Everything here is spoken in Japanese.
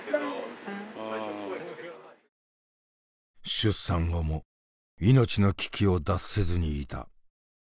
出産後も命の危機を脱せずにいた。